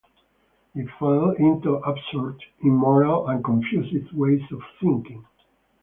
They fell into absurd, immoral, and confused ways of thinking.